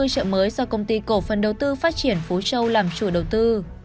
và cơ sở mới do công ty cổ phần đầu tư phát triển phú châu làm chủ đầu tư